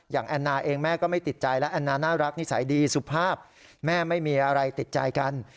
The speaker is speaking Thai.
แอนนาเองแม่ก็ไม่ติดใจและแอนนาน่ารักนิสัยดีสุภาพแม่ไม่มีอะไรติดใจกัน